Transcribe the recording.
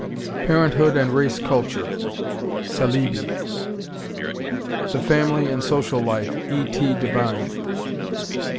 Parenthood and Race Culture, Saleeby. The Family and Social Life, E. T. Devine.